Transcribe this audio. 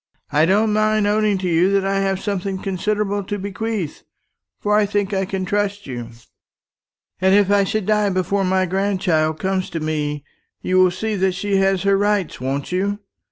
"I don't mind owning to you that I have something considerable to bequeath; for I think I can trust you. And if I should die before my grandchild comes to me, you will see that she has her rights, won't you?